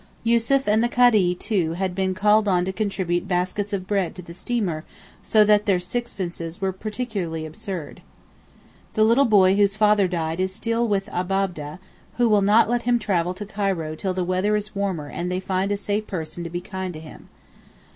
Yussuf and the Kadee too had been called on to contribute baskets of bread to the steamer so that their sixpences were particularly absurd. The little boy whose father died is still with the Abab'deh, who will not let him travel to Cairo till the weather is warmer and they find a safe person to be kind to him.